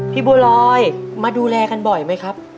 พี่โบรอยมาดูแลกันบ่อยไหมครับ